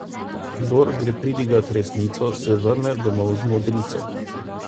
Kdor gre pridigat resnico, se vrne domov z modrico.